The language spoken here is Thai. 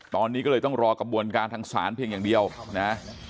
ตอนนี้ก็เลยต้องรอกระบวนการทางศาลเพียงอย่างเดียวนะ